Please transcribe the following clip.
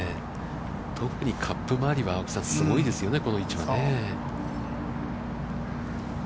特にカップ周りは青木さん、すごいですよね、この位置はね。